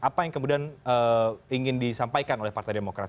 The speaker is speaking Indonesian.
apa yang kemudian ingin disampaikan oleh partai demokrat